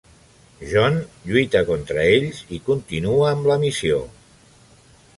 Jon lluita contra ells i continua amb la missió.